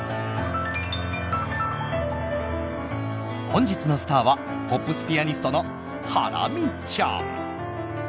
本日のスターはポップスピアニストのハラミちゃん。